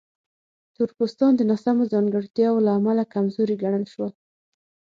تور پوستان د ناسمو ځانګړتیاوو له امله کمزوري ګڼل شول.